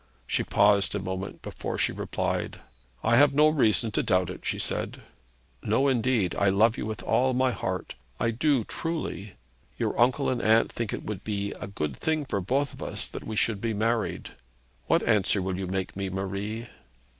She paused a moment before she replied. 'I have no reason to doubt it,' she said. 'No indeed. I love you with all my heart. I do truly. Your uncle and aunt think it would be a good thing for both of us that we should be married. What answer will you make me, Marie?'